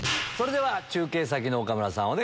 それでは中継先の岡村さん